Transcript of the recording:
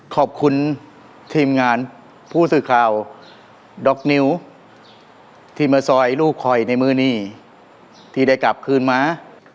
ขอบคุณทีมงานผู้สื่อข่าวด็อกนิวที่มาซอยลูกคอยในมือนี้ที่ได้กลับคืนมา